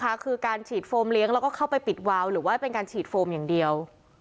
คือการฉีดโฟมเลี้ยงแล้วก็เข้าไปปิดวาวหรือว่าเป็นการฉีดโฟมอย่างเดียว